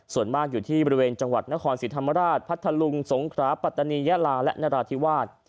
ส่วนมากอยู่ที่บริเวณจังหวัดนครศรีธรรมราชพัทธลุงสงคราปัตตานียาลาและนราธิวาส